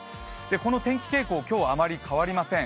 この天気傾向今日あまり変わりません。